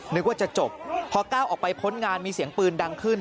นึกว่าจะจบพอก้าวออกไปพ้นงานมีเสียงปืนดังขึ้น